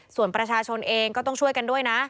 ส่วนประชาชนเองก็ต้องช่วยกันด้วยนะ